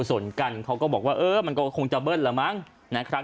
ส่วนกันเขาก็บอกว่าเออมันก็คงจะเบิ้ลละมั้งนะครับ